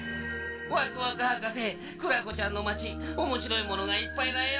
ワクワクはかせクラコちゃんのまちおもしろいものがいっぱいだよ。